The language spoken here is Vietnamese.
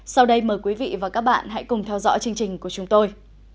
sau đây mời quý vị và các bạn hãy cùng theo dõi chương trình của chúng tôi